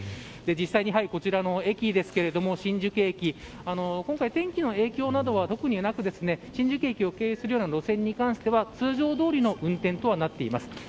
実際にこちら駅ですけれども新宿駅、今回天気の影響などは特になく新宿駅を経由する路線に関しては通常通りの運転となっています。